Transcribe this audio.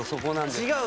違う？